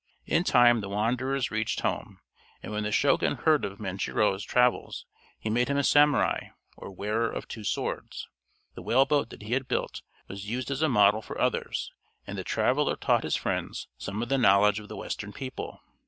In time the wanderers reached home, and when the Shogun heard of Manjiro's travels he made him a samurai, or wearer of two swords. The whale boat that he had built was used as a model for others, and the traveler taught his friends some of the knowledge of the Western people.